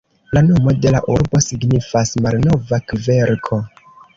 La nomo de la urbo signifas "malnova kverko".